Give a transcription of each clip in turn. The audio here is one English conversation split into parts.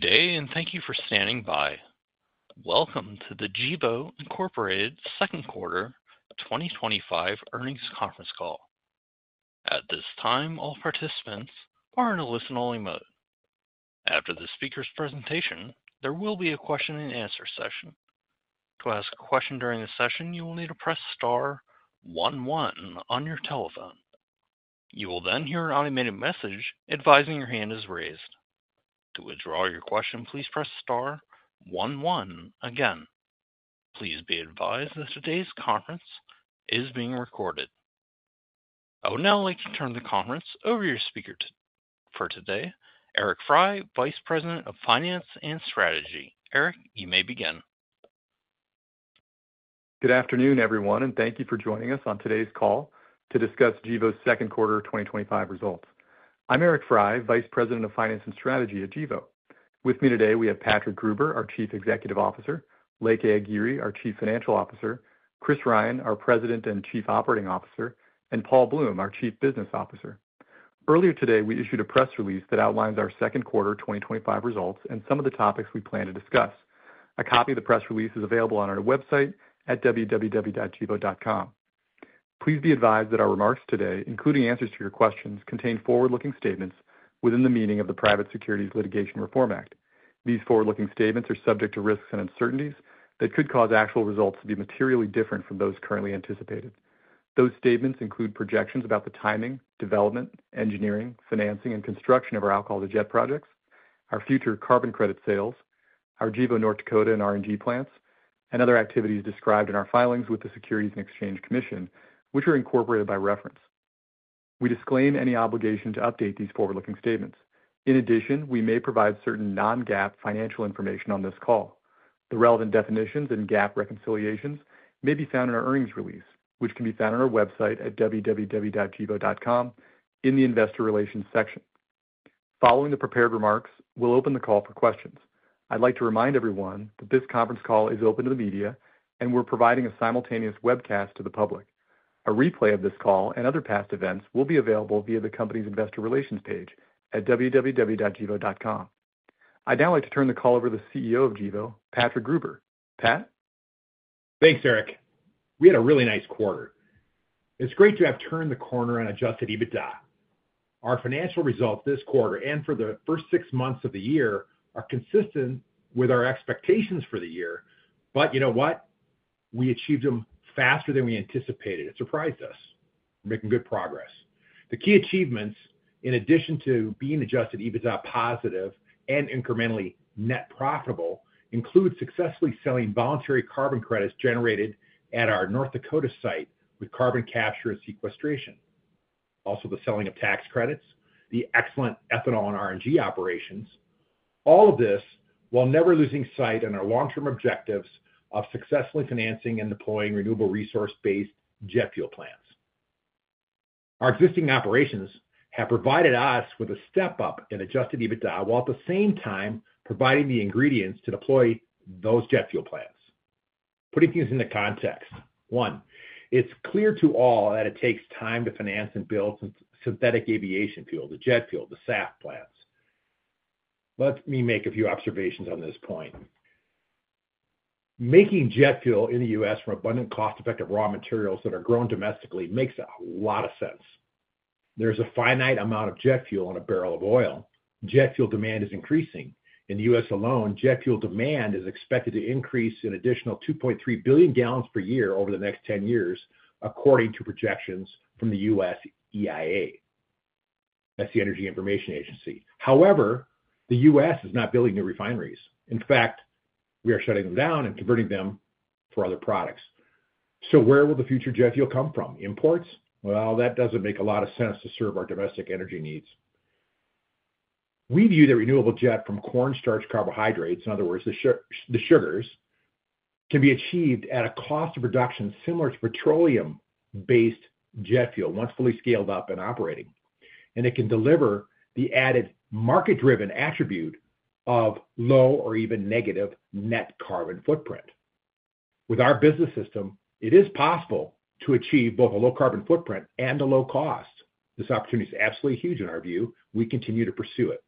Good day, and thank you for standing by. Welcome to the Gevo, Inc. Second Quarter 2025 Earnings Conference Call. At this time, all participants are in a listen-only mode. After the speaker's presentation, there will be a question and answer session. To ask a question during the session, you will need to press star one one on your telephone. You will then hear an automated message advising your hand is raised. To withdraw your question, please press star one one again. Please be advised that today's conference is being recorded. I would now like to turn the conference over to your speaker for today, Eric Frey, Vice President of Finance and Strategy. Eric, you may begin. Good afternoon, everyone, and thank you for joining us on today's call to discuss Gevo's Second Quarter 2025 results. I'm Eric Frey, Vice President of Finance and Strategy at Gevo. With me today, we have Patrick Gruber, our Chief Executive Officer, Leke Agiri, our Chief Financial Officer, Chris Ryan, our President and Chief Operating Officer, and Paul Bloom, our Chief Business Officer. Earlier today, we issued a press release that outlines our second quarter 2025 results and some of the topics we plan to discuss. A copy of the press release is available on our website at www.gevo.com. Please be advised that our remarks today, including answers to your questions, contain forward-looking statements within the meaning of the Private Securities Litigation Reform Act. These forward-looking statements are subject to risks and uncertainties that could cause actual results to be materially different from those currently anticipated. Those statements include projections about the timing, development, engineering, financing, and construction of our Alcohol-to-Jet projects, our future carbon credit sales, our Gevo North Dakota and RNG plants, and other activities described in our filings with the Securities and Exchange Commission, which are incorporated by reference. We disclaim any obligation to update these forward-looking statements. In addition, we may provide certain non-GAAP financial information on this call. The relevant definitions and GAAP reconciliations may be found in our earnings release, which can be found on our website at www.gevo.com in the investor relations section. Following the prepared remarks, we'll open the call for questions. I'd like to remind everyone that this conference call is open to the media and we're providing a simultaneous webcast to the public. A replay of this call and other past events will be available via the company's investor relations page at www.gevo.com. I'd now like to turn the call over to the CEO of Gevo, Patrick Gruber. Pat? Thanks, Eric. We had a really nice quarter. It's great to have turned the corner on adjusted EBITDA. Our financial results this quarter and for the first six months of the year are consistent with our expectations for the year, but you know what? We achieved them faster than we anticipated. It surprised us. We're making good progress. The key achievements, in addition to being adjusted EBITDA positive and incrementally net profitable, include successfully selling voluntary carbon credits generated at our North Dakota site with carbon capture and sequestration. Also, the selling of tax credits, the excellent ethanol and RNG operations, all of this while never losing sight on our long-term objectives of successfully financing and deploying renewable resource-based jet fuel plants. Our existing operations have provided us with a step up in adjusted EBITDA while at the same time providing the ingredients to deploy those jet fuel plants. Putting things into context, one, it's clear to all that it takes time to finance and build synthetic aviation fuel, the jet fuel, the SAF plants. Let me make a few observations on this point. Making jet fuel in the U.S. from abundant cost-effective raw materials that are grown domestically makes a lot of sense. There's a finite amount of jet fuel in a barrel of oil. Jet fuel demand is increasing. In the U.S. alone, jet fuel demand is expected to increase an additional 2.3 billion gallons per year over the next 10 years, according to projections from the U.S. EIA, that's the Energy Information Agency. However, the U.S. is not building new refineries. In fact, we are shutting them down and converting them for other products. Where will the future jet fuel come from? Imports? That doesn't make a lot of sense to serve our domestic energy needs. We view that renewable jet from cornstarch carbohydrates, in other words, the sugars, can be achieved at a cost of production similar to petroleum-based jet fuel once fully scaled up and operating. It can deliver the added market-driven attribute of low or even negative net carbon footprint. With our business system, it is possible to achieve both a low carbon footprint and a low cost. This opportunity is absolutely huge in our view. We continue to pursue it.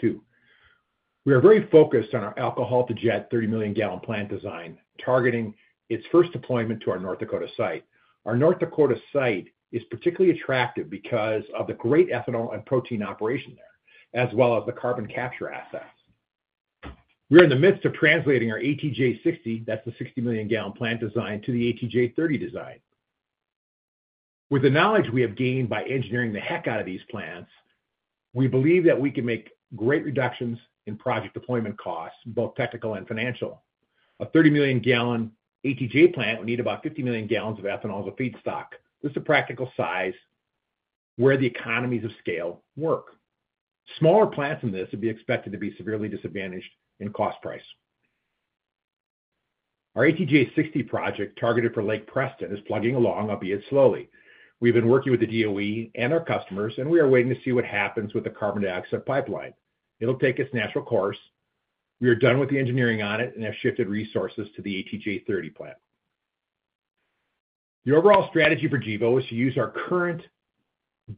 Two, we are very focused on our Alcohol-to-Jet 30 million gallon plant design, targeting its first deployment to our North Dakota site. Our North Dakota site is particularly attractive because of the great ethanol and protein operation there, as well as the carbon capture assets. We're in the midst of translating our ATJ-60, that's the 60 million gallon plant design, to the ATJ-30 design. With the knowledge we have gained by engineering the heck out of these plants, we believe that we can make great reductions in project deployment costs, both technical and financial. A 30 million gallon ATJ plant would need about 50 million gallons of ethanol as a feedstock. This is a practical size where the economies of scale work. Smaller plants in this would be expected to be severely disadvantaged in cost price. Our ATJ-60 project targeted for Lake Preston is plugging along, albeit slowly. We've been working with the DOE and our customers, and we are waiting to see what happens with the carbon dioxide pipeline. It'll take its natural course. We are done with the engineering on it and have shifted resources to the ATJ-30 plant. The overall strategy for Gevo is to use our current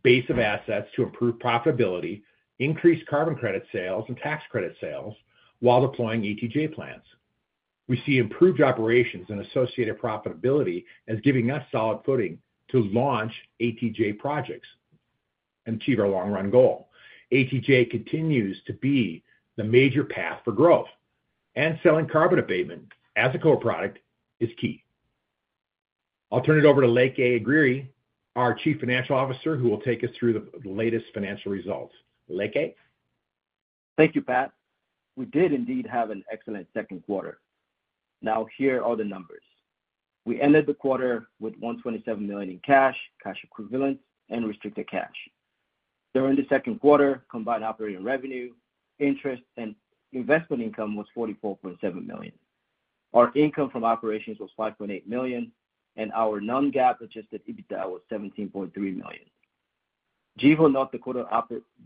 base of assets to improve profitability, increase carbon credit sales, and tax credit sales while deploying ATJ plants. We see improved operations and associated profitability as giving us solid footing to launch ATJ projects and achieve our long-run goal. ATJ continues to be the major path for growth, and selling carbon abatement as a core product is key. I'll turn it over to Leke Agiri, our Chief Financial Officer, who will take us through the latest financial results. Leke? Thank you, Pat. We did indeed have an excellent second quarter. Now here are the numbers. We ended the quarter with $127 million in cash, cash equivalent, and restricted cash. During the second quarter, combined operating revenue, interest, and investment income was $44.7 million. Our income from operations was $5.8 million, and our non-GAAP adjusted EBITDA was $17.3 million. Gevo North Dakota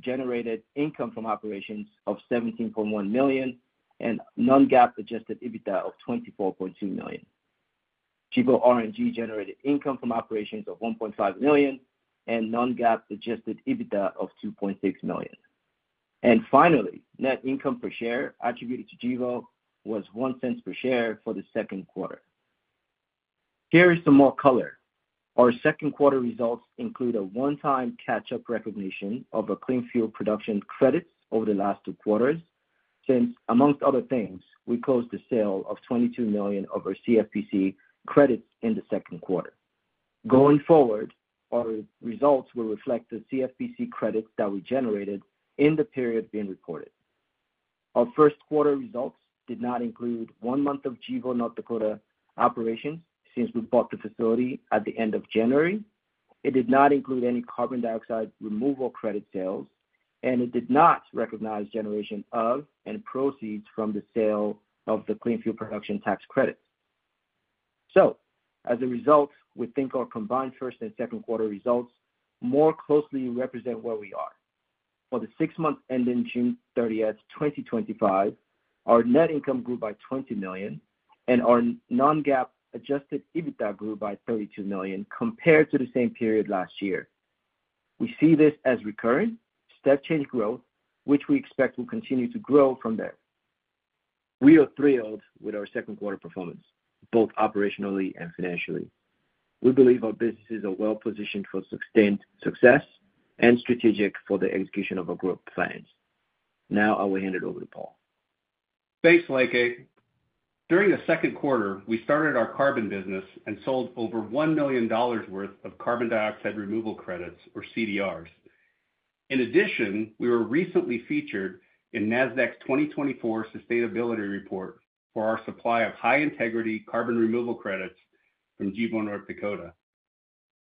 generated income from operations of $17.1 million and non-GAAP adjusted EBITDA of $24.2 million. Gevo RNG generated income from operations of $1.5 million and non-GAAP adjusted EBITDA of $2.6 million. Finally, net income per share attributed to Gevo was $0.01 per share for the second quarter. Here is some more color. Our second quarter results include a one-time catch-up recognition of our Clean Fuel Production Credits over the last two quarters since, amongst other things, we closed the sale of $22 million of our CFPC credits in the second quarter. Going forward, our results will reflect the CFPC credits that we generated in the period being recorded. Our first quarter results did not include one month of Gevo North Dakota operations since we bought the facility at the end of January. It did not include any Carbon Dioxide Removal credit sales, and it did not recognize generation of and proceeds from the sale of the Clean Fuel Production tax credit. As a result, we think our combined first and second quarter results more closely represent where we are. For the six months ending June 30th, 2025, our net income grew by $20 million, and our non-GAAP adjusted EBITDA grew by $32 million compared to the same period last year. We see this as recurrent, step-change growth, which we expect will continue to grow from there. We are thrilled with our second quarter performance, both operationally and financially. We believe our businesses are well positioned for sustained success and strategic for the execution of our growth plans. Now I will hand it over to Paul. Thanks, Leke. During the second quarter, we started our carbon business and sold over $1 million worth of Carbon Dioxide Removal credits, or CDRs. In addition, we were recently featured in Nasdaq's 2024 Sustainability Report for our supply of high-integrity carbon removal credits from Gevo North Dakota.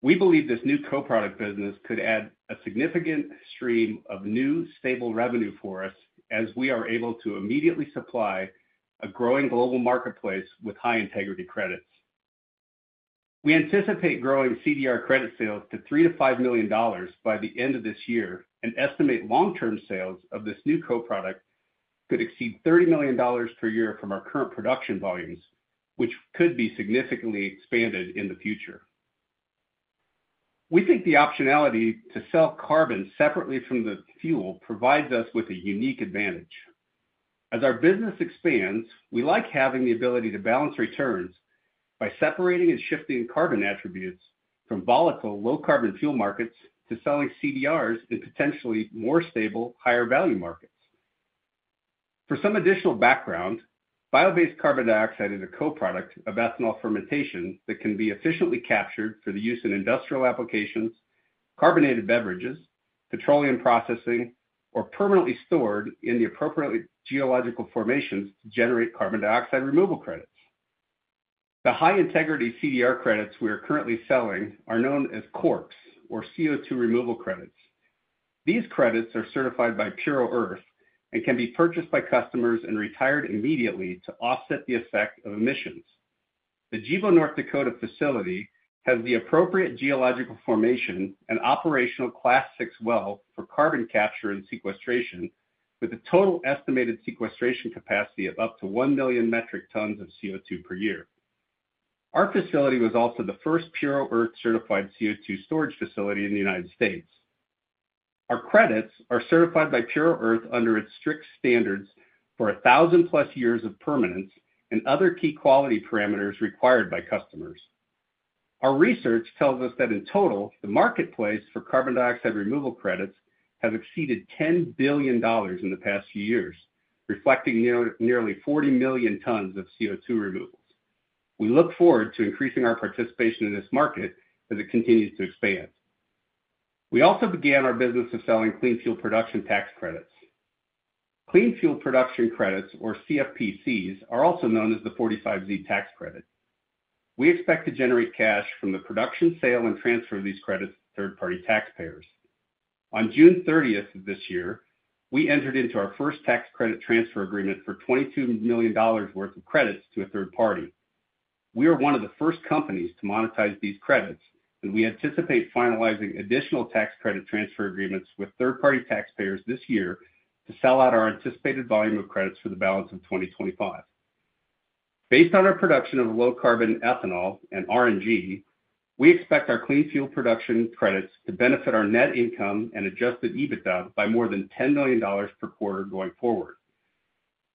We believe this new co-product business could add a significant stream of new stable revenue for us as we are able to immediately supply a growing global marketplace with high-integrity credits. We anticipate growing CDR credit sales to $3 to $5 million by the end of this year and estimate long-term sales of this new co-product could exceed $30 million per year from our current production volumes, which could be significantly expanded in the future. We think the optionality to sell carbon separately from the fuel provides us with a unique advantage. As our business expands, we like having the ability to balance returns by separating and shifting carbon attributes from volatile low-carbon fuel markets to selling CDRs in potentially more stable, higher-value markets. For some additional background, bio-based carbon dioxide is a co-product of ethanol fermentation that can be efficiently captured for the use in industrial applications, carbonated beverages, petroleum processing, or permanently stored in the appropriate geological formations to generate Carbon Dioxide Removal credits. The high-integrity CDR credits we are currently selling are known as CORCs, or CO2 Removal Credits. These credits are certified by Puro. earth and can be purchased by customers and retired immediately to offset the effect of emissions. The Gevo North Dakota facility has the appropriate geological formation and operational Class VI well for carbon capture and sequestration, with a total estimated sequestration capacity of up to 1 million metric tons of CO2 per year. Our facility was also the first Puro.earth-certified CO2 storage facility in the United States. Our credits are certified by Puro.earth under its strict standards for 1,000 plus years of permanence and other key quality parameters required by customers. Our research tells us that in total, the marketplace for Carbon Dioxide Removal credits has exceeded $10 billion in the past few years, reflecting nearly 40 million tons of CO2 removals. We look forward to increasing our participation in this market as it continues to expand. We also began our business of selling Clean Fuel Production Credits. Clean Fuel Production Credits, or CFPCs, are also known as the 45Z tax credit. We expect to generate cash from the production, sale, and transfer of these credits to third-party taxpayers. On June 30th of this year, we entered into our first tax credit transfer agreement for $22 million worth of credits to a third party. We are one of the first companies to monetize these credits, and we anticipate finalizing additional tax credit transfer agreements with third-party taxpayers this year to sell out our anticipated volume of credits for the balance of 2025. Based on our production of low-carbon ethanol and RNG, we expect our Clean Fuel Production Credits to benefit our net income and adjusted EBITDA by more than $10 million per quarter going forward.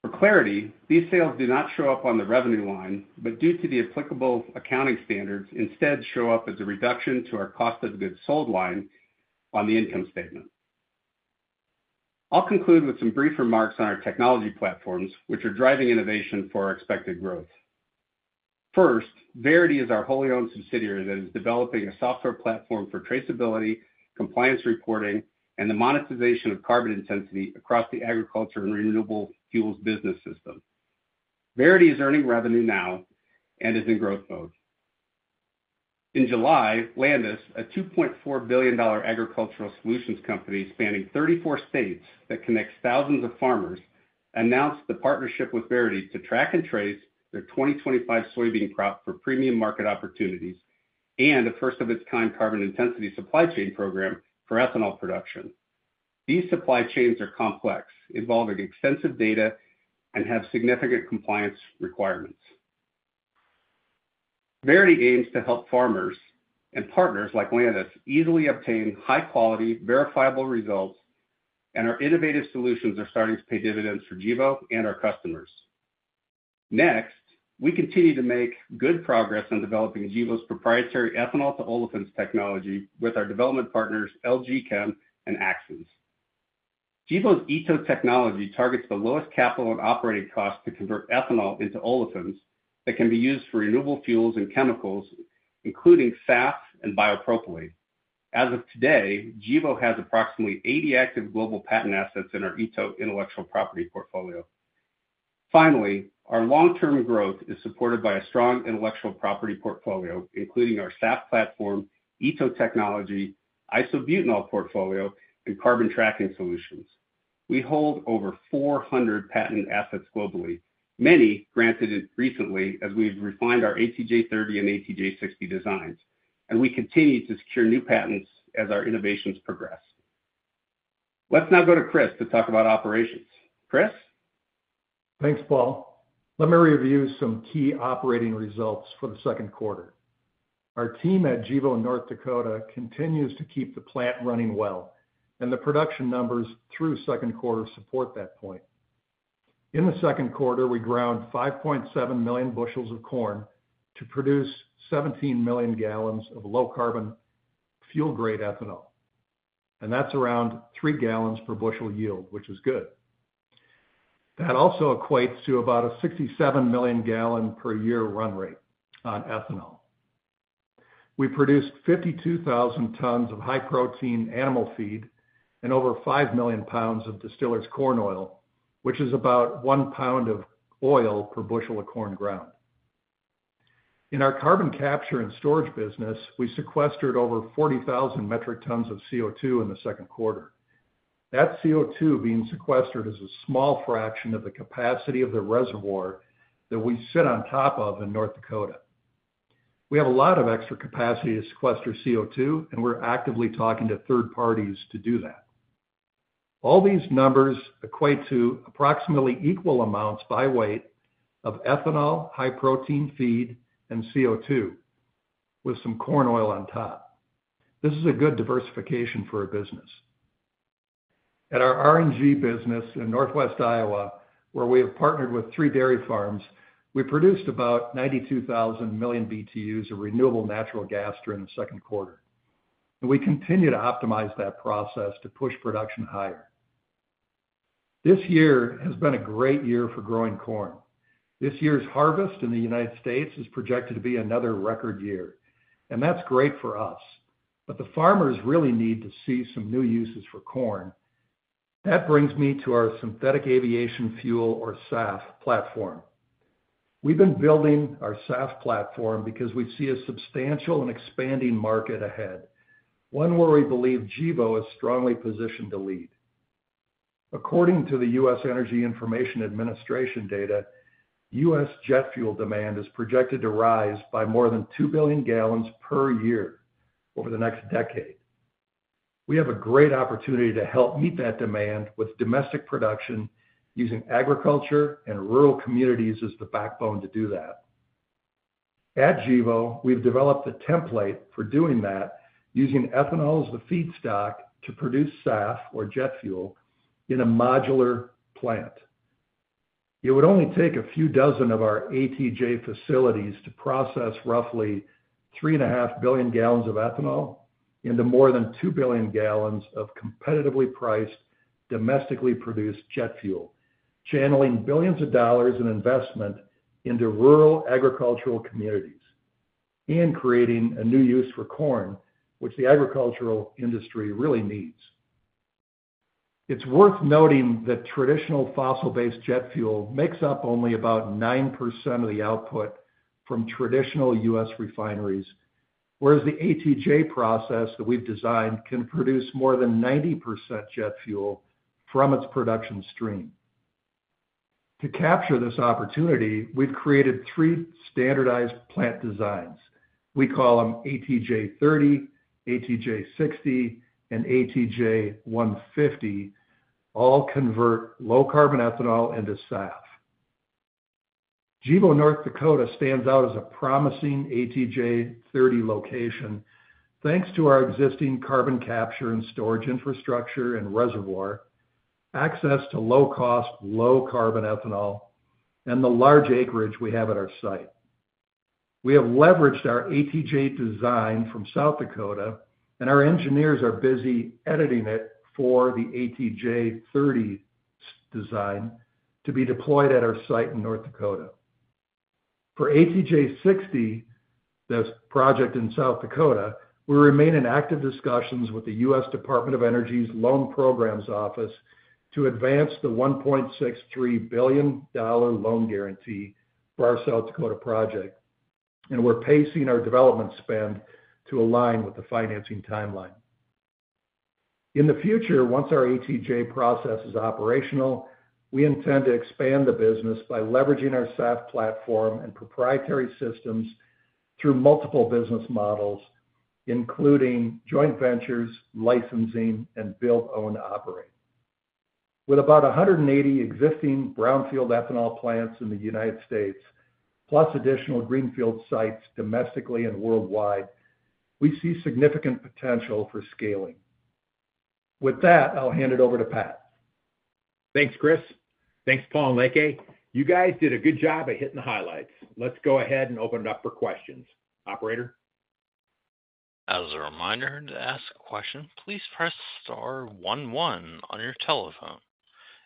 For clarity, these sales do not show up on the revenue line, but due to the applicable accounting standards, instead show up as a reduction to our cost of goods sold line on the income statement. I'll conclude with some brief remarks on our technology platforms, which are driving innovation for our expected growth. First, Verity is our wholly owned subsidiary that is developing a software platform for traceability, compliance reporting, and the monetization of carbon intensity across the agriculture and renewable fuels business system. Verity is earning revenue now and is in growth mode. In July, Landus, a $2.4 billion agricultural solutions company spanning 34 states that connects thousands of farmers, announced the partnership with Verity to track and trace their 2025 soybean crop for premium market opportunities and a first-of-its-kind carbon intensity supply chain program for ethanol production. These supply chains are complex, involving extensive data, and have significant compliance requirements. Verity aims to help farmers and partners like Landus easily obtain high-quality, verifiable results, and our innovative solutions are starting to pay dividends for Gevo and our customers. Next, we continue to make good progress on developing Gevo's proprietary ethanol-to-olefins technology with our development partners LG Chem and Axens. Gevo's ETO technology targets the lowest capital and operating cost to convert ethanol into olefins that can be used for renewable fuels and chemicals, including SAF and biopropylene. As of today, Gevo has approximately 80 active global patent assets in our ETO intellectual property portfolio. Finally, our long-term growth is supported by a strong intellectual property portfolio, including our SAF platform, ETO technology, isobutanol portfolio, and carbon tracking solutions. We hold over 400 patent assets globally, many granted recently as we've refined our ATJ-30 and ATJ-60 designs, and we continue to secure new patents as our innovations progress. Let's now go to Chris to talk about operations. Chris? Thanks, Paul. Let me review some key operating results for the second quarter. Our team at Gevo North Dakota continues to keep the plant running well, and the production numbers through the second quarter support that point. In the second quarter, we ground 5.7 million bushels of corn to produce 17 million gallons of low-carbon fuel-grade ethanol, and that's around three gallons per bushel yield, which is good. That also equates to about a 67 million gallon per year run rate on ethanol. We produced 52,000 tons of high-protein animal feed and over 5 million pounds of distillers' corn oil, which is about one pound of oil per bushel of corn ground. In our carbon capture and sequestration business, we sequestered over 40,000 metric tons of CO2 in the second quarter. That CO2 being sequestered is a small fraction of the capacity of the reservoir that we sit on top of in North Dakota. We have a lot of extra capacity to sequester CO2, and we're actively talking to third parties to do that. All these numbers equate to approximately equal amounts by weight of ethanol, high-protein feed, and CO2 with some corn oil on top. This is a good diversification for our business. At our RNG business in Northwest Iowa, where we have partnered with three dairy farms, we produced about 92,000 million BTUs of renewable natural gas during the second quarter, and we continue to optimize that process to push production higher. This year has been a great year for growing corn. This year's harvest in the United States is projected to be another record year, and that's great for us, but the farmers really need to see some new uses for corn. That brings me to our Sustainable Aviation Fuel, or SAF, platform. We've been building our SAF platform because we see a substantial and expanding market ahead, one where we believe Gevo is strongly positioned to lead. According to the U.S. Energy Information Administration data, U.S. jet fuel demand is projected to rise by more than 2 billion gallons per year over the next decade. We have a great opportunity to help meet that demand with domestic production using agriculture and rural communities as the backbone to do that. At Gevo, we've developed the template for doing that using ethanol as the feedstock to produce SAF, or jet fuel, in a modular plant. It would only take a few dozen of our ATJ facilities to process roughly 3.5 billion gallons of ethanol into more than 2 billion gallons of competitively priced, domestically produced jet fuel, channeling billions of dollars in investment into rural agricultural communities and creating a new use for corn, which the agricultural industry really needs. It's worth noting that traditional fossil-based jet fuel makes up only about 9% of the output from traditional U.S. refineries, whereas the ATJ process that we've designed can produce more than 90% jet fuel from its production stream. To capture this opportunity, we've created three standardized plant designs. We call them ATJ-30, ATJ-60, and ATJ-150, all convert low-carbon ethanol into SAF. Gevo North Dakota stands out as a promising ATJ-30 location thanks to our existing carbon capture and storage infrastructure and reservoir, access to low-cost, low-carbon ethanol, and the large acreage we have at our site. We have leveraged our ATJ design from South Dakota, and our engineers are busy editing it for the ATJ-30 design to be deployed at our site in North Dakota. For ATJ-60, that's a project in South Dakota, we remain in active discussions with the U.S. Department of Energy's Loan Programs Office to advance the $1.63 billion loan guarantee for our South Dakota project, and we're pacing our development spend to align with the financing timeline. In the future, once our ATJ process is operational, we intend to expand the business by leveraging our SAF platform and proprietary systems through multiple business models, including joint ventures, licensing, and build, own, operate. With about 180 existing brownfield ethanol plants in the United States, plus additional greenfield sites domestically and worldwide, we see significant potential for scaling. With that, I'll hand it over to Pat. Thanks, Chris. Thanks, Paul and Leke. You guys did a good job at hitting the highlights. Let's go ahead and open it up for questions. Operator? As a reminder to ask a question, please press star one one on your telephone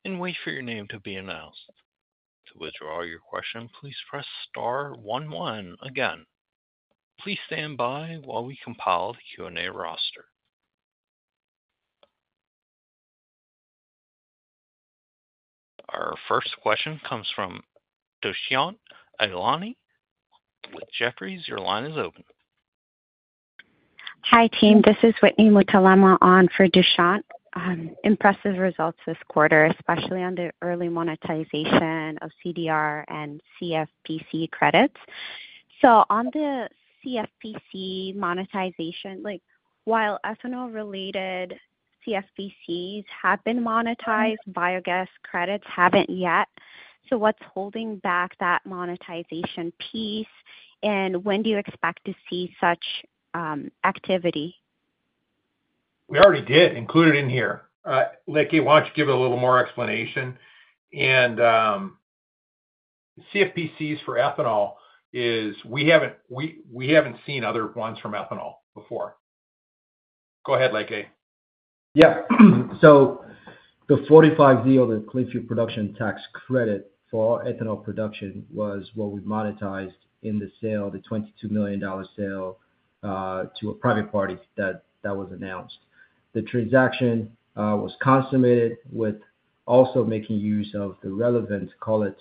and wait for your name to be announced. To withdraw your question, please press star one one again. Please stand by while we compile the Q&A roster. Our first question comes from Dushyant Ailani with Jefferies. Your line is open. Hi, team. This is Whitney Mutalemwa, on for Dushyant. Impressive results this quarter, especially on the early monetization of CDR and CFPC credits. On the CFPC monetization, while ethanol-related CFPCs have been monetized, biogas credits haven't yet. What's holding back that monetization piece? When do you expect to see such activity? We already did, included in here. Leke, why don't you give it a little more explanation? CFPCs for ethanol is we haven't seen other ones from ethanol before. Go ahead, Leke. Yeah. The 45Z of the Clean Fuel Production Tax Credit for ethanol production was what we monetized in the sale, the $22 million sale, to a private party that was announced. The transaction was consummated with also making use of the relevant, call it,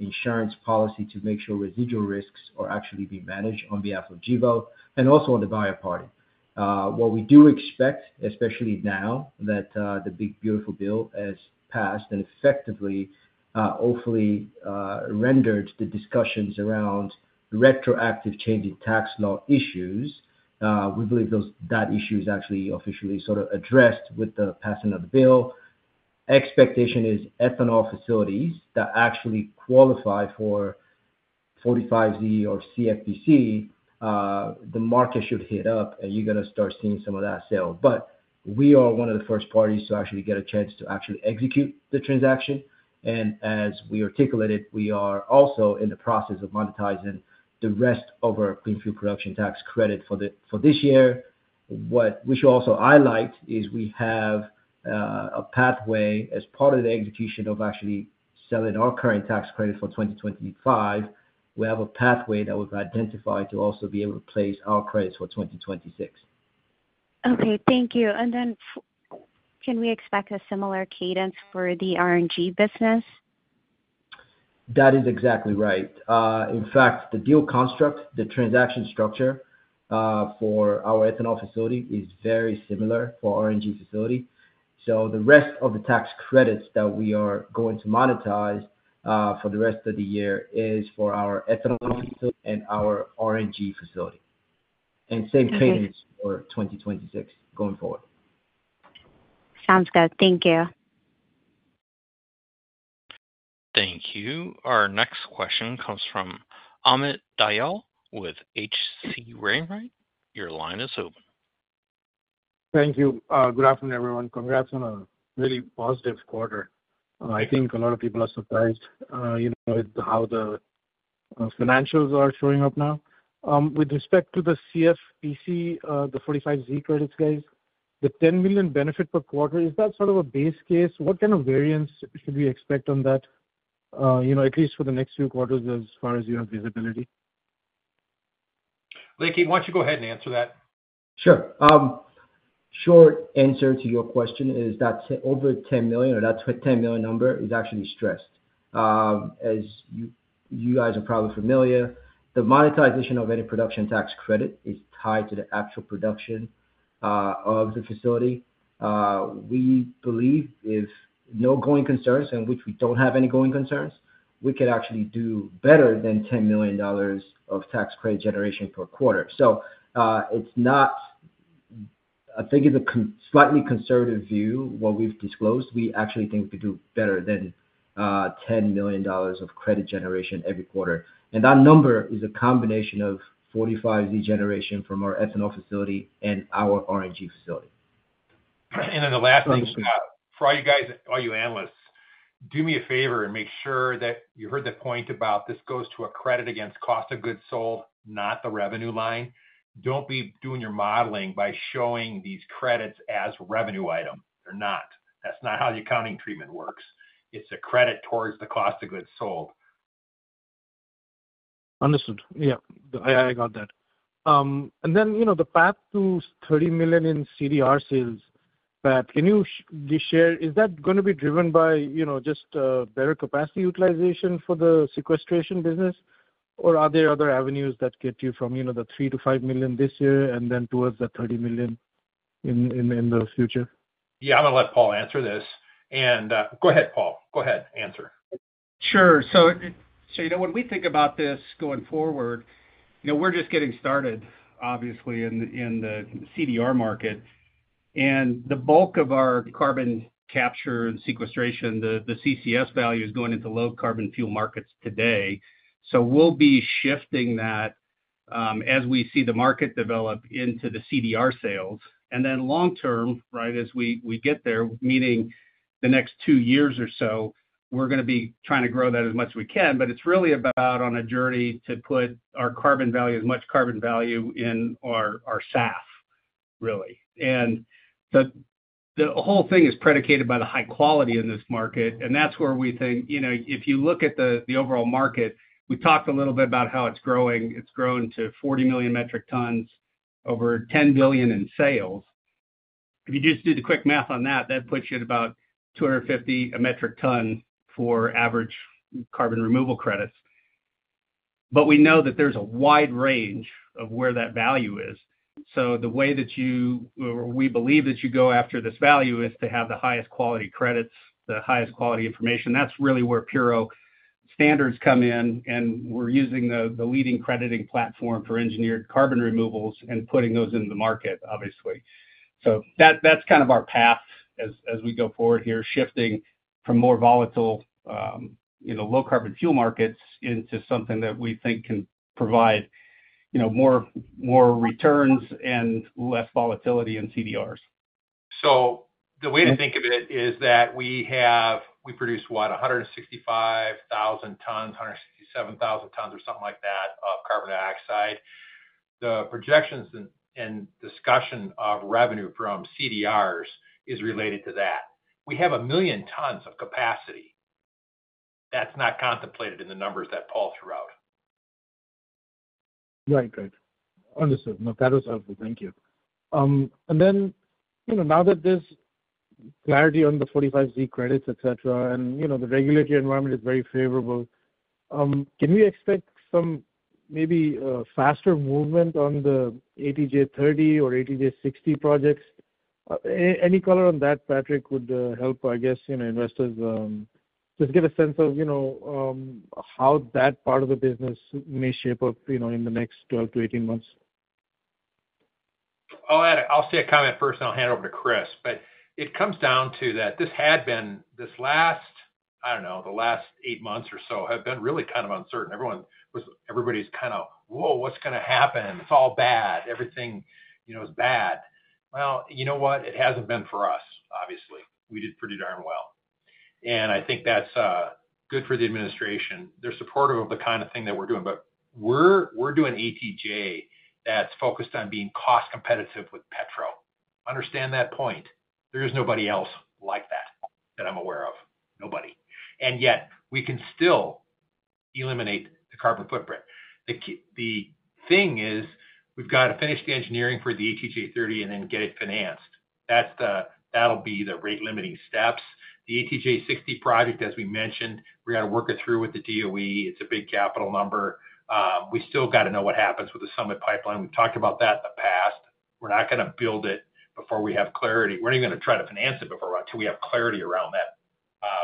insurance policy to make sure residual risks are actually being managed on behalf of Gevo and also on the buyer party. We do expect, especially now that the big, beautiful bill has passed and effectively, hopefully, rendered the discussions around retroactive change in tax law issues. We believe that issue is actually officially sort of addressed with the passing of the bill. The expectation is ethanol facilities that actually qualify for 45Z or CFPC, the market should heat up, and you're going to start seeing some of that sale. We are one of the first parties to actually get a chance to actually execute the transaction. As we articulated, we are also in the process of monetizing the rest of our Clean Fuel Production Tax Credit for this year. What we should also highlight is we have a pathway as part of the execution of actually selling our current tax credit for 2025. We have a pathway that we've identified to also be able to place our credits for 2026. Thank you. Can we expect a similar cadence for the RNG business? That is exactly right. In fact, the deal construct, the transaction structure, for our ethanol facility is very similar for RNG facility. The rest of the tax credits that we are going to monetize for the rest of the year is for our ethanol facility and our RNG facility. Same cadence for 2026 going forward. Sounds good. Thank you. Thank you. Our next question comes from Amit Dyal with H.C. Wainwright. Your line is open. Thank you. Good afternoon, everyone. Congrats on a really positive quarter. I think a lot of people are surprised with how the financials are showing up now. With respect to the CFPC, the 45Z credits, guys, the $10 million benefit per quarter, is that sort of a base case? What kind of variance should we expect on that, you know, at least for the next few quarters as far as you have visibility? Leke, why don't you go ahead and answer that? Sure. Short answer to your question is that over $10 million, or that $10 million number is actually stressed. As you guys are probably familiar, the monetization of any production tax credit is tied to the actual production of the facility. We believe if no going concerns, and which we don't have any going concerns, we could actually do better than $10 million of tax credit generation per quarter. It's a slightly conservative view what we've disclosed. We actually think we could do better than $10 million of credit generation every quarter. That number is a combination of 45Z generation from our ethanol facility and our RNG facility. The last thing is for all you analysts, do me a favor and make sure that you heard the point about this goes to a credit against cost of goods sold, not the revenue line. Don't be doing your modeling by showing these credits as revenue items. They're not. That's not how the accounting treatment works. It's a credit towards the cost of goods sold. Understood. Yeah, I got that. You know, the path to $30 million in CDR sales, Pat, can you just share, is that going to be driven by just a better capacity utilization for the sequestration business, or are there other avenues that get you from the $3 to $5 million this year and then towards the $30 million in the future? Yeah, I'm going to let Paul answer this. Go ahead, Paul. Go ahead. Answer. Sure. When we think about this going forward, we're just getting started, obviously, in the CDR market. The bulk of our carbon capture and sequestration, the CCS value, is going into low-carbon fuel markets today. We'll be shifting that as we see the market develop into the CDR sales. Long-term, as we get there, meaning the next two years or so, we're going to be trying to grow that as much as we can, but it's really about being on a journey to put our carbon value, as much carbon value, in our SAF, really. The whole thing is predicated by the high quality in this market. That's where we think, if you look at the overall market, we talked a little bit about how it's growing. It's grown to 40 million metric tons, over $10 billion in sales. If you just did the quick math on that, that puts you at about $250 a metric ton for average carbon removal credits. We know that there's a wide range of where that value is. The way that you, or we believe that you go after this value, is to have the highest quality credits, the highest quality information. That's really where Puro standards come in, and we're using the leading crediting platform for engineered carbon removals and putting those into the market, obviously. That's our path as we go forward here, shifting from more volatile low-carbon fuel markets into something that we think can provide more returns and less volatility in CDRs. The way to think of it is that we have, we produce, what, 165,000 tons, 167,000 tons or something like that of carbon dioxide. The projections and discussion of revenue from CDRs is related to that. We have a million tons of capacity. That's not contemplated in the numbers that Paul threw out. Right, right. Understood. No, that was helpful. Thank you. Now that there's clarity on the 45Z credits, etc., and the regulatory environment is very favorable, can we expect some maybe faster movement on the ATJ-30 or ATJ-60 projects? Any color on that, Patrick, would help, I guess, investors just get a sense of how that part of the business may shape up in the next 12-18 months? Oh, I'll say a comment first, and I'll hand it over to Chris. It comes down to that this had been this last, I don't know, the last eight months or so have been really kind of uncertain. Everybody's kind of, whoa, what's going to happen? It's all bad. Everything, you know, is bad. You know what? It hasn't been for us, obviously. We did pretty darn well. I think that's good for the administration. They're supportive of the kind of thing that we're doing, but we're doing ATJ that's focused on being cost-competitive with petro. Understand that point. There is nobody else like that that I'm aware of. Nobody. Yet we can still eliminate the carbon footprint. The thing is we've got to finish the engineering for the ATJ-30 and then get it financed. That'll be the rate-limiting steps. The ATJ-60 project, as we mentioned, we've got to work it through with the DOE. It's a big capital number. We still got to know what happens with the Summit pipeline. We've talked about that in the past. We're not going to build it before we have clarity. We're not even going to try to finance it before we have clarity around that.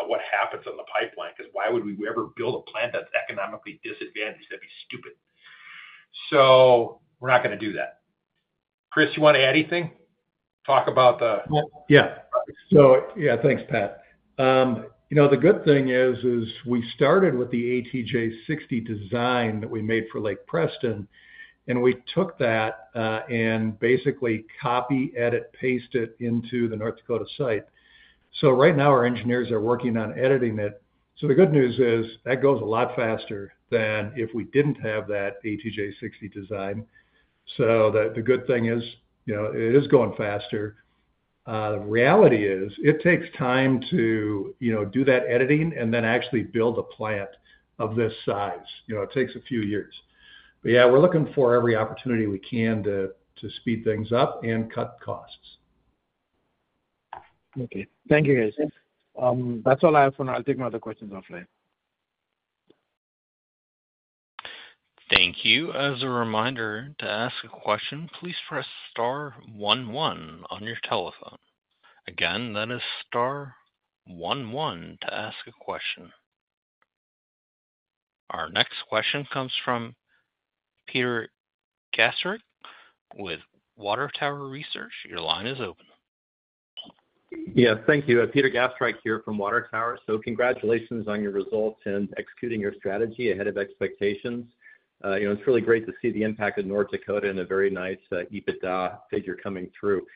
What happens on the pipeline? Because why would we ever build a plant that's economically disadvantaged? That'd be stupid. We're not going to do that. Chris, you want to add anything? Talk about the... Yeah, thanks, Pat. The good thing is we started with the ATJ-60 design that we made for Lake Preston, and we took that and basically copy, edit, paste it into the North Dakota site. Right now our engineers are working on editing it. The good news is that goes a lot faster than if we didn't have that ATJ-60 design. The good thing is it is going faster. The reality is it takes time to do that editing and then actually build a plant of this size. It takes a few years. We are looking for every opportunity we can to speed things up and cut costs. Okay. Thank you, guys. That's all I have for now. I'll take no other questions offline. Thank you. As a reminder, to ask a question, please press star one one on your telephone. Again, that is star one one to ask a question. Our next question comes from Peter Gastreich with Water Tower Research. Your line is open. Yeah, thank you. Peter Gastreich here from Water Tower. Congratulations on your results and executing your strategy ahead of expectations. It's really great to see the impact of North Dakota and a very nice EBITDA figure coming through.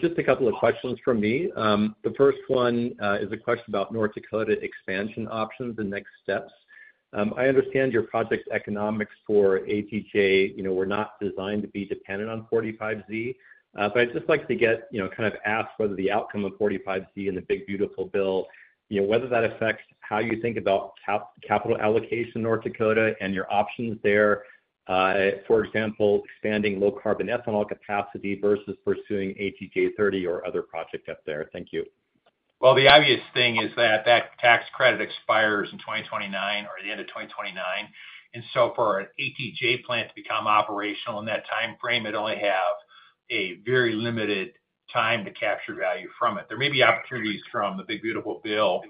Just a couple of questions from me. The first one is a question about North Dakota expansion options and next steps. I understand your project economics for ATJ. We're not designed to be dependent on 45Z, but I'd just like to get, you know, kind of asked whether the outcome of 45Z in the big, beautiful bill, whether that affects how you think about capital allocation in North Dakota and your options there. For example, expanding low-carbon ethanol capacity versus pursuing ATJ-30 or other projects up there. Thank you. The obvious thing is that tax credit expires in 2029 or the end of 2029. For an ATJ plant to become operational in that timeframe, it'd only have a very limited time to capture value from it. There may be opportunities from the big, beautiful bill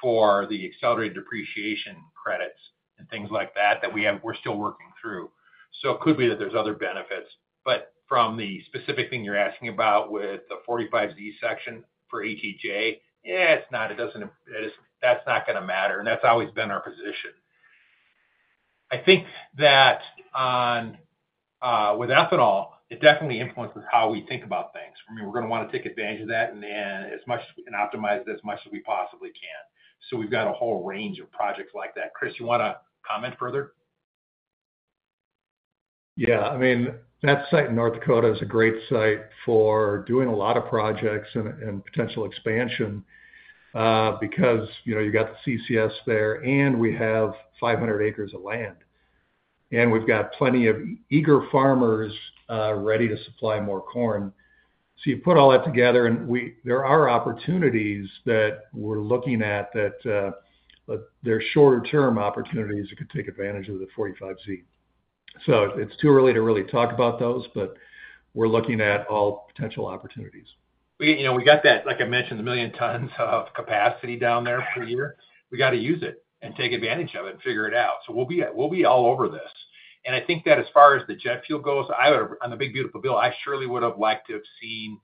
for the accelerated depreciation credits and things like that that we're still working through. It could be that there's other benefits. From the specific thing you're asking about with the 45Z section for ATJ, yeah, it's not. It doesn't, that's not going to matter. That's always been our position. I think that with ethanol, it definitely influences how we think about things. We're going to want to take advantage of that and optimize it as much as we possibly can. We've got a whole range of projects like that. Chris, you want to comment further? Yeah, I mean, that site in North Dakota is a great site for doing a lot of projects and potential expansion because, you know, you've got the CCS there and we have 500 acres of land. We've got plenty of eager farmers ready to supply more corn. You put all that together and there are opportunities that we're looking at that are shorter-term opportunities that could take advantage of the 45Z. It's too early to really talk about those, but we're looking at all potential opportunities. You know, we got that, like I mentioned, the million tons of capacity down there per year. We got to use it and take advantage of it and figure it out. We'll be all over this. I think that as far as the jet fuel goes, on the big, beautiful bill, I surely would have liked to have seen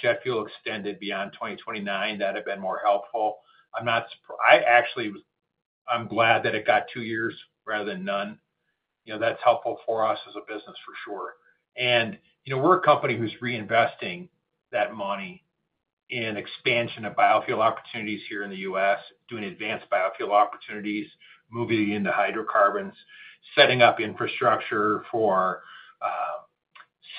jet fuel extended beyond 2029. That had been more helpful. I'm not surprised. I'm glad that it got two years rather than none. That's helpful for us as a business for sure. We're a company who's reinvesting that money in expansion of biofuel opportunities here in the U.S., doing advanced biofuel opportunities, moving into hydrocarbons, setting up infrastructure for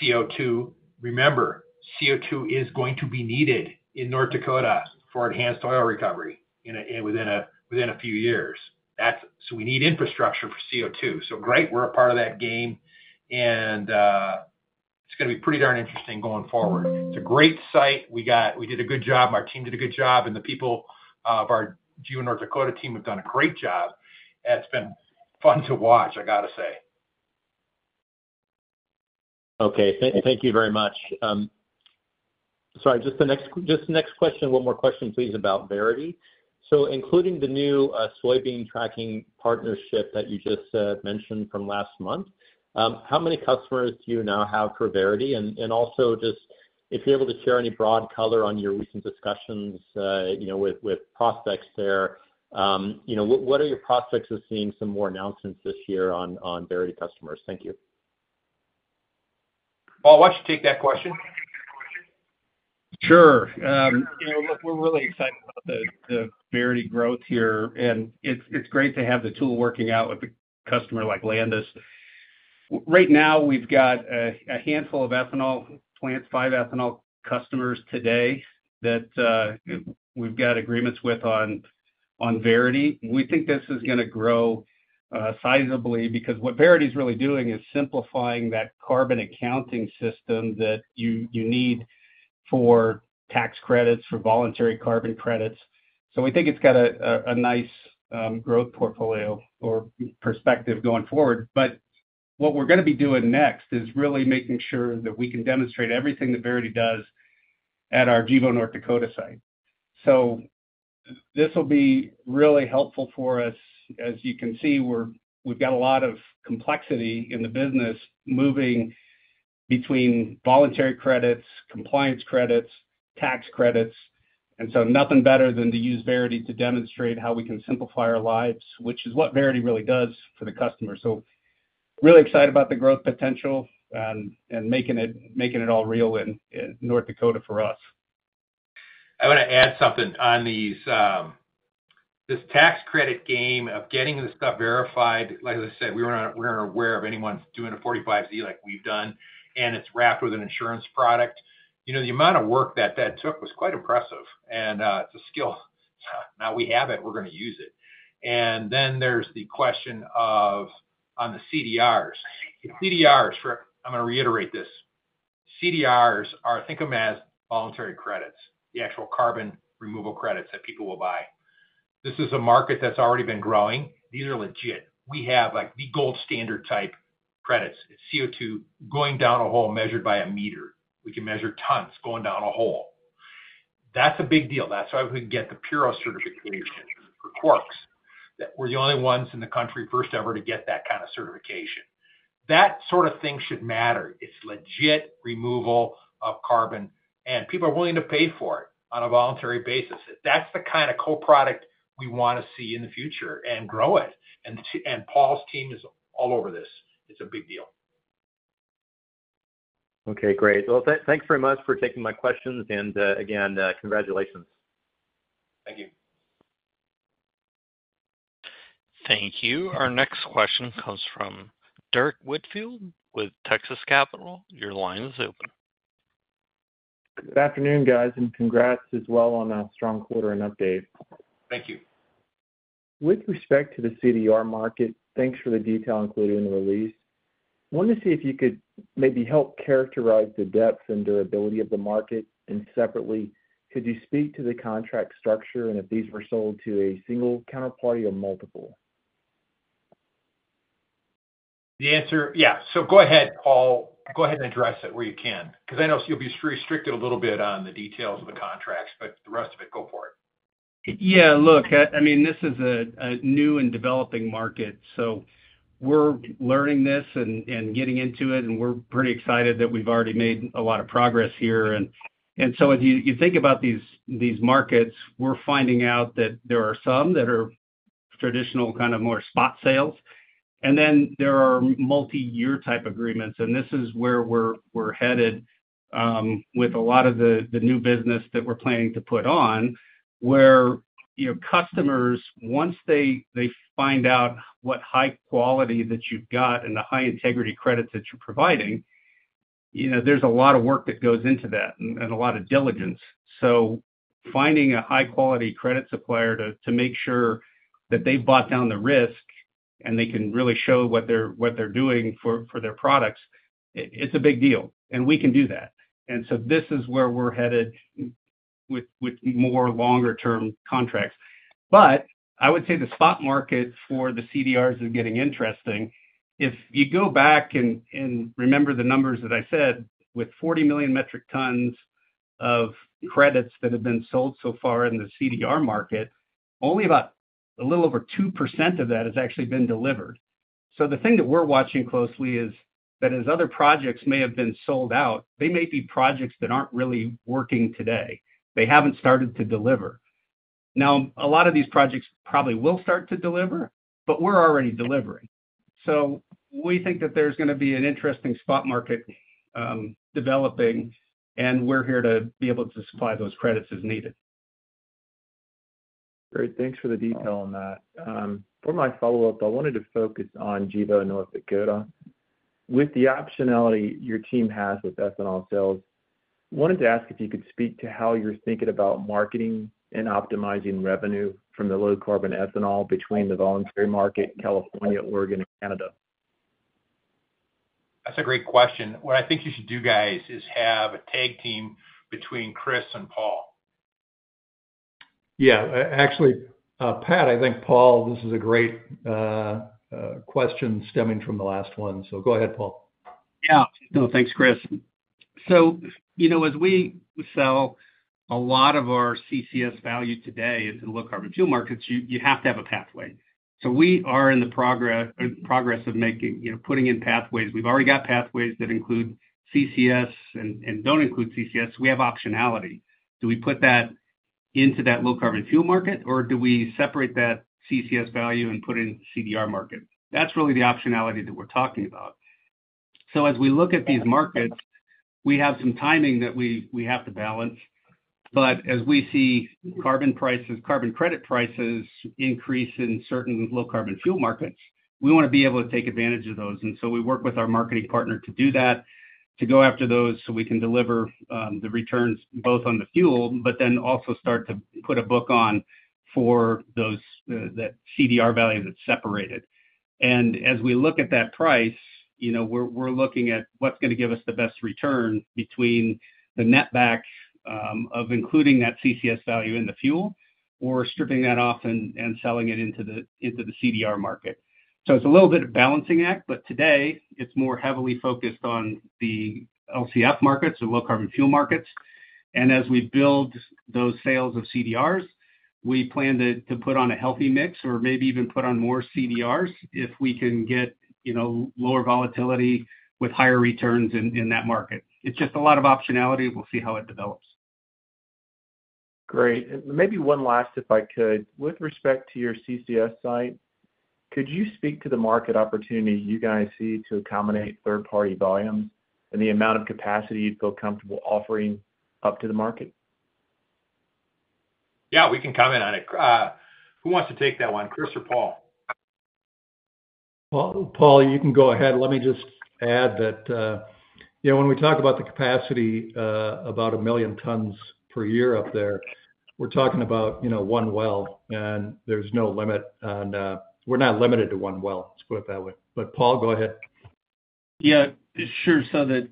CO2. Remember, CO2 is going to be needed in North Dakota for enhanced oil recovery within a few years. We need infrastructure for CO2. Great, we're a part of that game. It's going to be pretty darn interesting going forward. It's a great site. We did a good job. Our team did a good job. The people of our Gevo North Dakota team have done a great job. It's been fun to watch, I got to say. Thank you very much. Sorry, just the next question, one more question, please, about Verity. Including the new soybean tracking partnership that you just mentioned from last month, how many customers do you now have for Verity? Also, if you're able to share any broad color on your recent discussions with prospects there, what are your prospects of seeing some more announcements this year on Verity customers? Thank you. Paul, why don't you take that question? Sure. Look, we're really excited about the Verity growth here. It's great to have the tool working out with a customer like Landus. Right now, we've got a handful of ethanol plants, five ethanol customers today that we've got agreements with on Verity. We think this is going to grow sizably because what Verity is really doing is simplifying that carbon accounting system that you need for tax credits, for voluntary carbon credits. We think it's got a nice growth portfolio or perspective going forward. What we're going to be doing next is really making sure that we can demonstrate everything that Verity does at our Gevo North Dakota site. This will be really helpful for us. As you can see, we've got a lot of complexity in the business moving between voluntary credits, compliance credits, tax credits. Nothing better than to use Verity to demonstrate how we can simplify our lives, which is what Verity really does for the customer. Really excited about the growth potential and making it all real in North Dakota for us. I want to add something on these, this tax credit game of getting this stuff verified. Like I said, we weren't aware of anyone doing a 45Z like we've done, and it's wrapped with an insurance product. You know, the amount of work that that took was quite impressive. It's a skill. Now we have it. We're going to use it. There's the question of on the CDRs. CDRs, I'm going to reiterate this. CDRs are, think of them as voluntary credits, the actual Carbon Removal credits that people will buy. This is a market that's already been growing. These are legit. We have like the gold standard type credits. It's CO2 going down a hole measured by a meter. We can measure tons going down a hole. That's a big deal. That's why we can get the Puro certification, CORCs. We're the only ones in the country, first ever to get that kind of certification. That sort of thing should matter. It's legit removal of carbon, and people are willing to pay for it on a voluntary basis. That's the kind of co-product we want to see in the future and grow it. Paul's team is all over this. It's a big deal. Okay, great. Thanks very much for taking my questions. Again, congratulations. Thank you. Thank you. Our next question comes from Derek Whitfield with Texas Capital. Your line is open. Good afternoon, guys, and congrats as well on a strong quarter and update. Thank you. With respect to the CDR market, thanks for the detail included in the release. I wanted to see if you could maybe help characterize the depth and durability of the market. Could you speak to the contract structure and if these were sold to a single counterparty or multiple? The answer, yeah. Go ahead, Paul. Go ahead and address it where you can, because I know you'll be restricted a little bit on the details of the contracts, but the rest of it, go for it. Yeah, look, I mean, this is a new and developing market. We're learning this and getting into it, and we're pretty excited that we've already made a lot of progress here. If you think about these markets, we're finding out that there are some that are traditional, kind of more spot sales, and then there are multi-year type agreements. This is where we're headed with a lot of the new business that we're planning to put on, where customers, once they find out what high quality that you've got and the high integrity credits that you're providing, there's a lot of work that goes into that and a lot of diligence. Finding a high-quality credit supplier to make sure that they've bought down the risk and they can really show what they're doing for their products is a big deal. We can do that. This is where we're headed with more longer-term contracts. I would say the spot market for the CDRs is getting interesting. If you go back and remember the numbers that I said, with 40 million metric tons of credits that have been sold so far in the CDR market, only about a little over 2% of that has actually been delivered. The thing that we're watching closely is that as other projects may have been sold out, they may be projects that aren't really working today. They haven't started to deliver. A lot of these projects probably will start to deliver, but we're already delivering. We think that there's going to be an interesting spot market developing, and we're here to be able to supply those credits as needed. Great. Thanks for the detail on that. For my follow-up, I wanted to focus on Gevo North Dakota. With the optionality your team has with ethanol sales, I wanted to ask if you could speak to how you're thinking about marketing and optimizing revenue from the low-carbon ethanol between the voluntary market in California, Oregon, and Canada. That's a great question. What I think you should do, guys, is have a tag team between Chris and Paul. Yeah, actually, Patrick, I think Paul, this is a great question stemming from the last one. Go ahead, Paul. Yeah, no, thanks, Chris. As we sell a lot of our CCS value today in low-carbon fuel markets, you have to have a pathway. We are in the progress of making, you know, putting in pathways. We've already got pathways that include CCS and don't include CCS. We have optionality. Do we put that into that low-carbon fuel market, or do we separate that CCS value and put it in the CDR market? That's really the optionality that we're talking about. As we look at these markets, we have some timing that we have to balance. As we see carbon prices, carbon credit prices increase in certain low-carbon fuel markets, we want to be able to take advantage of those. We work with our marketing partner to do that, to go after those so we can deliver the returns both on the fuel, but then also start to put a book on for those that CDR value that's separated. As we look at that price, we're looking at what's going to give us the best return between the net back of including that CCS value in the fuel or stripping that off and selling it into the CDR market. It's a little bit of a balancing act, but today it's more heavily focused on the LCF markets, the low-carbon fuel markets. As we build those sales of CDRs, we plan to put on a healthy mix or maybe even put on more CDRs if we can get, you know, lower volatility with higher returns in that market. It's just a lot of optionality. We'll see how it develops. Great. Maybe one last, if I could, with respect to your CCS site, could you speak to the market opportunity you guys see to accommodate third-party volume and the amount of capacity you'd feel comfortable offering up to the market? Yeah, we can comment on it. Who wants to take that one, Chris or Paul? Paul, you can go ahead. Let me just add that, you know, when we talk about the capacity, about a million tons per year up there, we're talking about, you know, one well, and there's no limit on, we're not limited to one well, let's put it that way. Paul, go ahead. Yeah, sure. This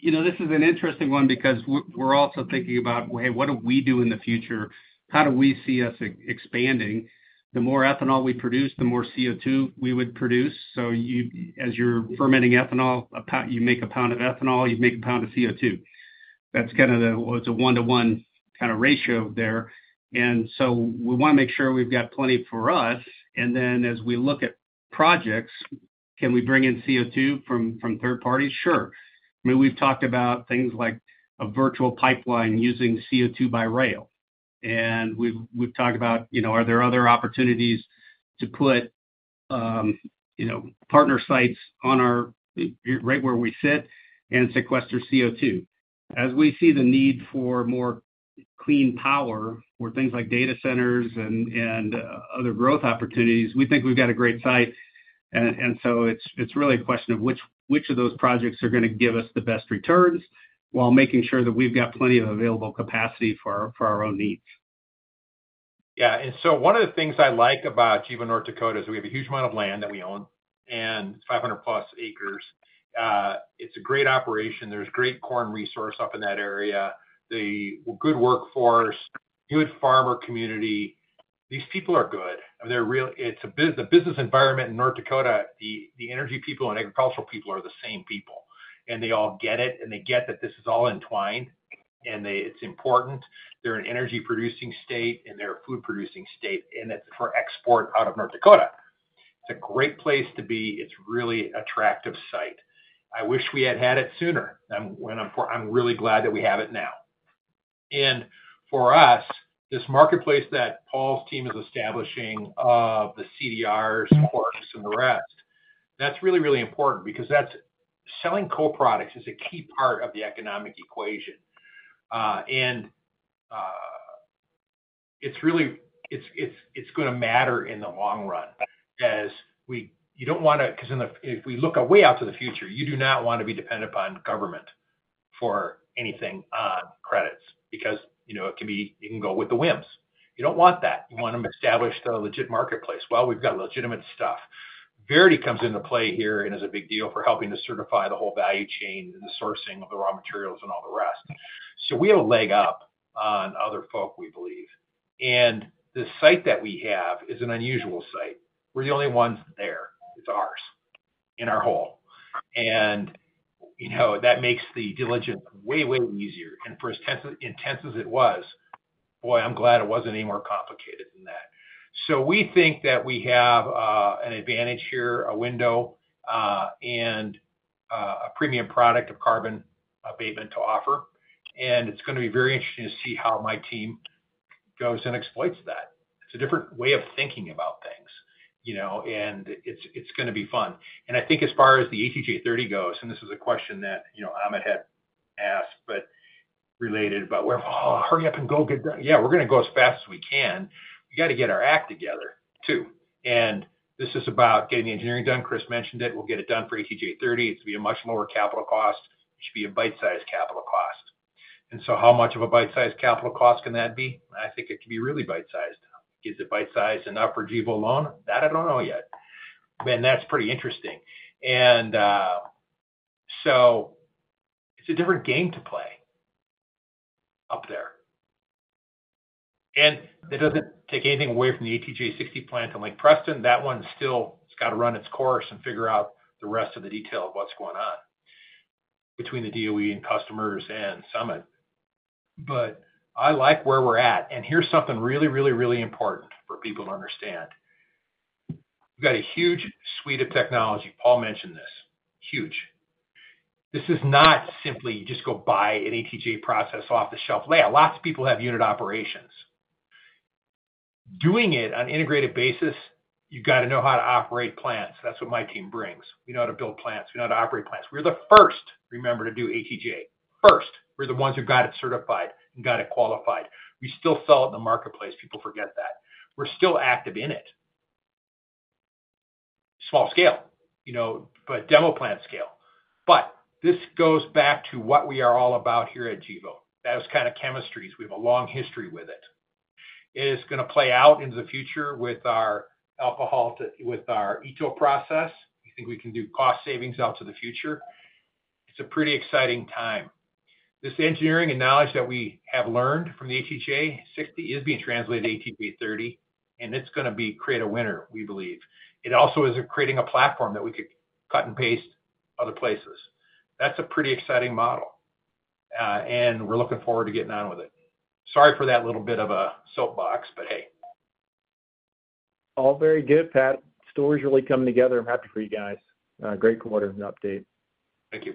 is an interesting one because we're also thinking about, hey, what do we do in the future? How do we see us expanding? The more ethanol we produce, the more CO2 we would produce. As you're fermenting ethanol, you make a pound of ethanol, you make a pound of CO2. That's kind of the, it's a one-to-one kind of ratio there. We want to make sure we've got plenty for us. As we look at projects, can we bring in CO2 from third parties? Sure. We've talked about things like a virtual pipeline using CO2 by rail. We've talked about, are there other opportunities to put partner sites on our, right where we sit and sequester CO2? As we see the need for more clean power for things like data centers and other growth opportunities, we think we've got a great site. It's really a question of which of those projects are going to give us the best returns while making sure that we've got plenty of available capacity for our own needs. Yeah, and one of the things I like about Gevo North Dakota is we have a huge amount of land that we own, and it's 500+ acres. It's a great operation. There's great corn resource up in that area. The good workforce, good farmer community, these people are good. It's a business environment in North Dakota. The energy people and agricultural people are the same people. They all get it, and they get that this is all entwined. It's important. They're an energy-producing state, and they're a food-producing state. It's for export out of North Dakota. It's a great place to be. It's a really attractive site. I wish we had had it sooner. I'm really glad that we have it now. For us, this marketplace that Paul's team is establishing of the CDRs, CORCs, and the rest, that's really, really important because selling co-products is a key part of the economic equation. It's really going to matter in the long run, because if we look way out to the future, you do not want to be dependent upon government for anything on credits, because you can go with the whims. You don't want that. You want to establish a legit marketplace. We've got legitimate stuff. Verity comes into play here and is a big deal for helping to certify the whole value chain and the sourcing of the raw materials and all the rest. We have a leg up on other folk, we believe. The site that we have is an unusual site. We're the only ones there. It's ours in our hole. That makes the diligence way, way easier. For as tense as it was, boy, I'm glad it wasn't any more complicated than that. We think that we have an advantage here, a window, and a premium product of carbon abatement to offer. It's going to be very interesting to see how my team goes and exploits that. It's a different way of thinking about things, and it's going to be fun. I think as far as the ATJ-30 goes, and this is a question that Amit had asked, but related about, hurry up and go get done. Yeah, we're going to go as fast as we can. We got to get our act together too. This is about getting the engineering done. Chris mentioned it. We'll get it done for ATJ-30. It's going to be a much lower capital cost. It should be a bite-sized capital cost. How much of a bite-sized capital cost can that be? I think it could be really bite-sized. Is it bite-sized enough for Gevo alone? That I don't know yet. That's pretty interesting. It's a different game to play up there. That doesn't take anything away from the ATJ-60 plant on Lake Preston. That one still has got to run its course and figure out the rest of the detail of what's going on between the DOE and customers and Summit. I like where we're at. Here's something really, really, really important for people to understand. We've got a huge suite of technology. Paul mentioned this. Huge. This is not simply you just go buy an ATJ process off the shelf. Lots of people have unit operations. Doing it on an integrated basis, you've got to know how to operate plants. That's what my team brings. We know how to build plants. We know how to operate plants. We're the first, remember, to do ATJ. First, we're the ones who got it certified and got it qualified. We still sell it in the marketplace. People forget that. We're still active in it. Small scale, you know, but demo plant scale. This goes back to what we are all about here at Gevo. That was kind of chemistries. We have a long history with it. It's going to play out into the future with our alcohol, with our ETO process. I think we can do cost savings out to the future. It's a pretty exciting time. This engineering and knowledge that we have learned from the ATJ-60 is being translated to ATJ-30, and it's going to create a winner, we believe. It also is creating a platform that we could cut and paste other places. That's a pretty exciting model. We're looking forward to getting on with it. Sorry for that little bit of a soapbox, but hey. All very good, Pat. Story's really coming together. I'm happy for you guys. Great quarter and update. Thank you.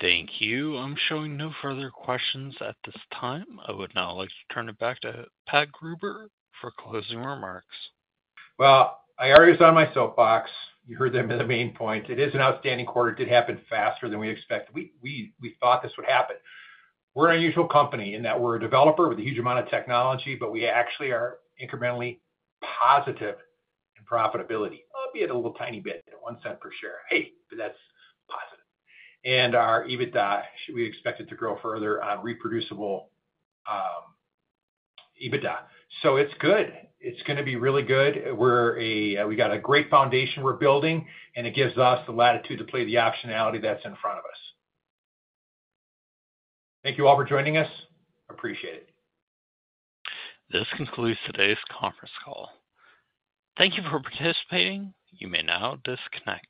Thank you. I'm showing no further questions at this time. I would now like to turn it back to Patrick Gruber for closing remarks. I already was on my soapbox. You heard the main point. It is an outstanding quarter. It did happen faster than we expected. We thought this would happen. We're an unusual company in that we're a developer with a huge amount of technology, but we actually are incrementally positive in profitability, albeit a little tiny bit, at $0.01 per share. Hey, but that's positive. Our EBITDA, we expect it to grow further on reproducible EBITDA. It is good. It is going to be really good. We've got a great foundation we're building, and it gives us the latitude to play the optionality that's in front of us. Thank you all for joining us. I appreciate it. This concludes today's conference call. Thank you for participating. You may now disconnect.